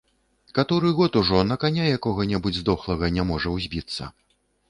Каторы год ужо на каня якога-небудзь здохлага не можа ўзбіцца.